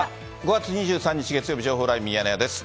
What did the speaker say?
５月２３日月曜日、情報ライブミヤネ屋です。